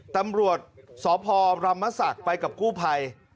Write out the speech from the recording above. ตำรวจสพรรมศักดิ์ไปกับกู้ภัย